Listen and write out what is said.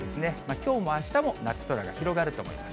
きょうもあしたも夏空が広がると思います。